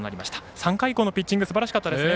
３回以降のピッチングすばらしかったですね。